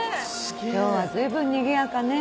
今日はずいぶんにぎやかねぇ。